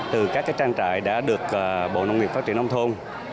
từ các trang trại đã được bộ nông nghiệp phát triển nông thôn